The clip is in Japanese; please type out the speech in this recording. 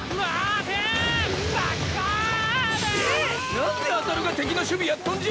何であたるが敵の守備やっとんじゃ！